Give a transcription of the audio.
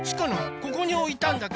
ここにおいたんだ。